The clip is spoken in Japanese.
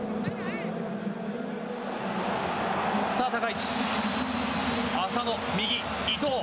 さあ、高い位置浅野、右、伊東。